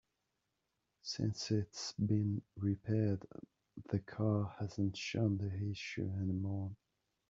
Since it's been repaired, the car hasn't shown the issue any more.